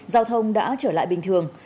giao thông đã trở lại bình thường